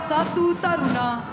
sersan mayor satu taruna